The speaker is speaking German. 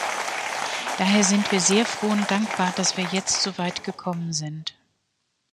Daher sind wie sehr froh und dankbar, dass wir jetzt so weit gekommen sind.